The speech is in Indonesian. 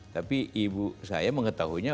tapi ibu saya mengetahunya